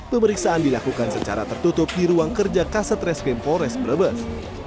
pemeriksaan dilakukan secara tertutup di ruang kerja kasat reskrim pores brebes